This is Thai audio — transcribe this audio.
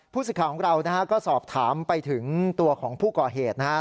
สิทธิ์ของเราก็สอบถามไปถึงตัวของผู้ก่อเหตุนะฮะ